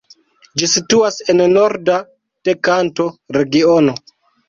Ĝi situas en norda de Kanto-regiono.